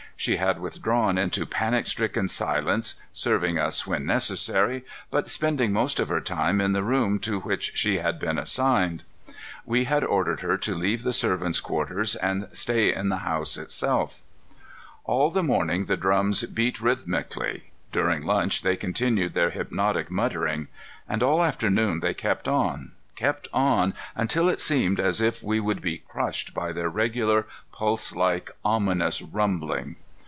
She had withdrawn into panic stricken silence, serving us when necessary, but spending most of her time in the room to which she had been assigned. We had ordered her to leave the servants' quarters and stay in the house itself. All the morning the drums beat rhythmically. During lunch they continued their hypnotic muttering. And all afternoon they kept on, kept on, until it seemed as if we would be crushed by their regular, pulselike, ominous rumbling.